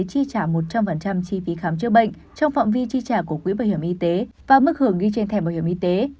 chi trả một trăm linh chi phí khám chữa bệnh trong phạm vi chi trả của quỹ bảo hiểm y tế và mức hưởng ghi trên thẻ bảo hiểm y tế